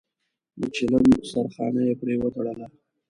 د چيلم سرخانه يې پرې وتړله.